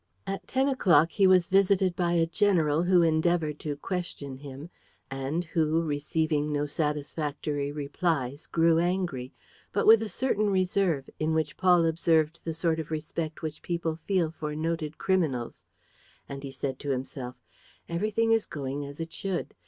At ten o'clock he was visited by a general who endeavored to question him and who, receiving no satisfactory replies, grew angry, but with a certain reserve in which Paul observed the sort of respect which people feel for noted criminals. And he said to himself: "Everything is going as it should.